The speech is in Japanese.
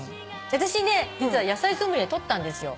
私ね実は野菜ソムリエ取ったんですよ。